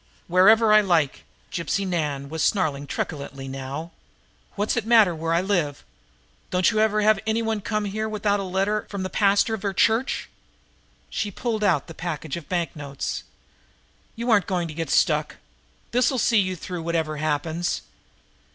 "Wherever I like!" Gypsy Nan was snarling truculently now. "What's it matter where I live? Don't you ever have any one come here without a letter from the pastor of her church!" She pulled out the package of banknotes. "You aren't going to get stuck. This'll see you through whatever happens.